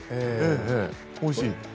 おいしい。